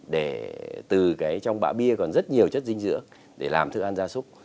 để từ trong bã bia còn rất nhiều chất dinh dưỡng để làm thức ăn gia súc